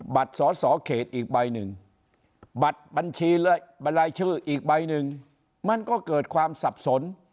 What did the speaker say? สอสอเขตอีกใบหนึ่งบัตรรายชื่ออีกใบหนึ่งมันก็เกิดความสับสน